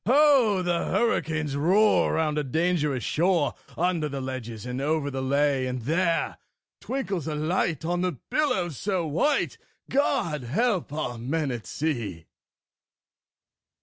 Ho! the hurricanes roar round a dangerous shore, Under the ledges and over the lea; And there twinkles a light on the billows so white God help our men at sea!